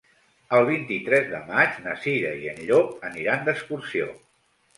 El vint-i-tres de maig na Cira i en Llop aniran d'excursió.